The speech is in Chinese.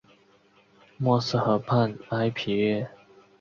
默斯河畔埃皮耶。